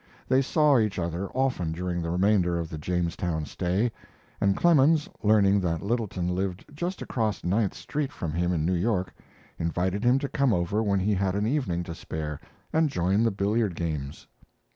They saw each other often during the remainder of the Jamestown stay, and Clemens, learning that Littleton lived just across Ninth Street from him in New York, invited him to come over when he had an evening to spare and join the billiard games.